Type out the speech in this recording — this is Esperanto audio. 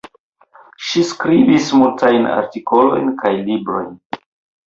Ŝi skribis multajn artikolojn kaj librojn.